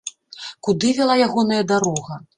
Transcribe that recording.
Куды вяла ягоная дарога?